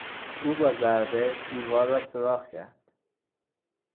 او با ضربه دیوار را سوراخ کرد.